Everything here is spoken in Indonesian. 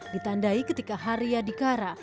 ditandai ketika haria di kara